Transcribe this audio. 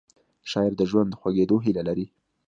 شاعر د ژوند د خوږېدو هیله لري